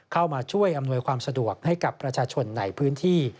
เข้ามาช่วยอำนวยความสะดวกให้กับประชาชนในพื้นที่